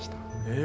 え？